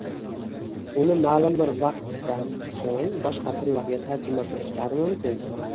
Uni ma’lum bir vaqtdan so’ng boshqa tillarga tarjima qilishlari mumkin